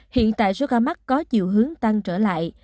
hiện tại số ca mắc có chiều hướng tăng trở lại